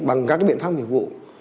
bằng các biện pháp dịch vụ